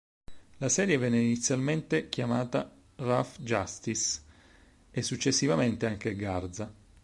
La serie venne inizialmente chiamata "Rough Justice", e successivamente anche "Garza".